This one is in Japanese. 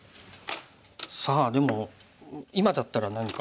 さあでも今だったら何か。